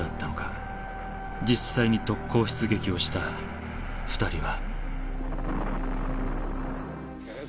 実際に特攻出撃をした２人は。